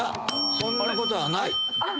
そんなことはない！